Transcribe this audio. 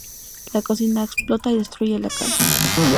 La cocina explota y destruye la casa.